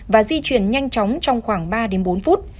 và di chuyển nhanh chóng trong khoảng ba đến bốn phút